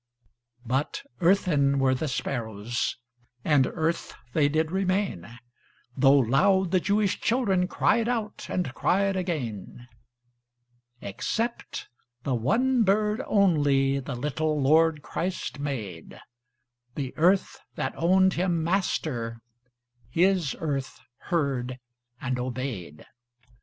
But earthen were the sparrows, And earth they did remain, Though loud the Jewish children Cried out, and cried again. Except the one bird only The little Lord Christ made; The earth that owned Him Master, His earth heard and obeyed.